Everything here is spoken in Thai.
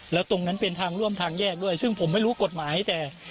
แล้วตรงนั้นเป็นทางร่วมทางแยกด้วยซึ่งผมไม่รู้กฎหมายแต่